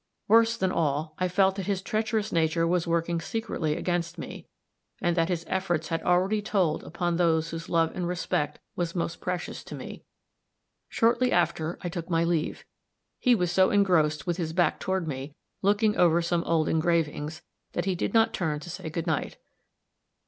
Worse than all, I felt that his treacherous nature was working secretly against me, and that his efforts had already told upon those whose love and respect was most precious to me. Shortly after, I took my leave; he was so engrossed, with his back toward me, looking over some old engravings, that he did not turn to say good night.